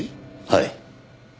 はい。